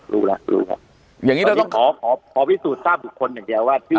รู้แล้วรู้แล้วอย่างนี้เราต้องขอขอพิสูจน์ทราบบุคคลอย่างเดียวว่าชื่อ